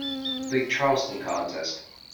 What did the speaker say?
The big Charleston contest.